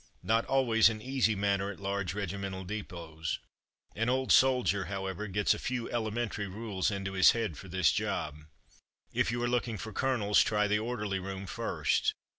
Not always an easy matter at large regimental depots. An old soldier, however, gets a few elementary rules into his head for this job. If you are looking for colonels, try the orderly room first.